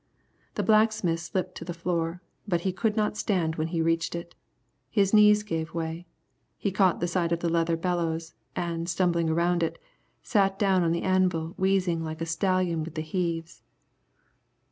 The blacksmith slipped to the floor, but he could not stand when he reached it. His knees gave way. He caught the side of the leather bellows, and stumbling around it, sat down on the anvil wheezing like a stallion with the heaves.